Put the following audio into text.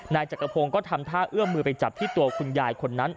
นายจักรพงศ์ก็ทำท่าเอื้อมมือไปจับที่ตัวคุณยายคนนั้น